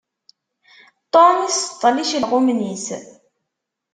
Tom iseṭṭel icelɣumen-is.